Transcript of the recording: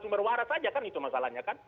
sumber waras saja kan itu masalahnya kan